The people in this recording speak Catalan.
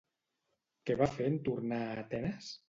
Què va fer en tornar a Atenes?